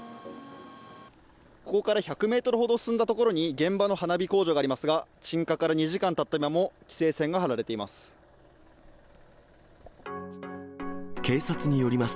ここから１００メートルほど進んだ所に、現場の花火工場がありますが、鎮火から２時間たった今も、規制線が張られています。